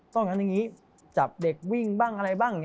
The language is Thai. อย่างนั้นอย่างนี้จับเด็กวิ่งบ้างอะไรบ้าง